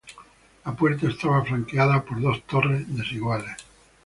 La puerta estaba flanqueada por dos torres, desiguales.